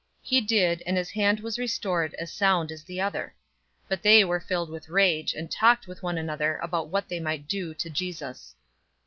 He did, and his hand was restored as sound as the other. 006:011 But they were filled with rage, and talked with one another about what they might do to Jesus.